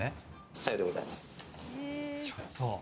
さようでございます。